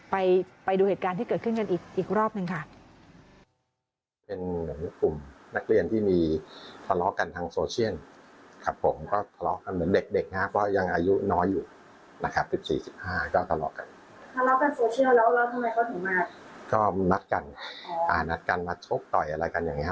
ไปดูเหตุการณ์ที่เกิดขึ้นกันอีกรอบหนึ่งค่ะ